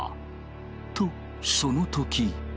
とその時。